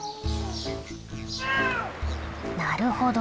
なるほど。